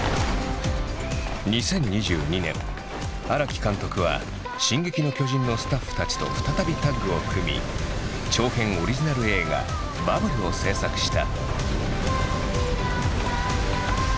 ２０２２年荒木監督は「進撃の巨人」のスタッフたちと再びタッグを組み長編オリジナル映画「バブル」を制作した。